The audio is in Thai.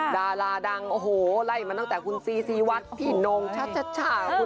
ดาราดังโอ้โหวไล่มาตั้งแต่คุณครูซีซีวัดพี่โน้งชะชะช๋า